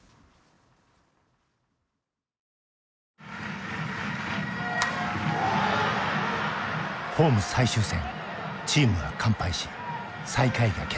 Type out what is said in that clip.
ホーム最終戦チームは完敗し最下位が決定。